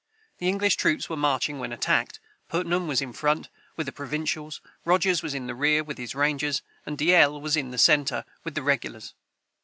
The English troops were marching when attacked: Putnam was in front, with the provincials; Rogers was in the rear, with his rangers; and D'Ell in the centre, with the regulars.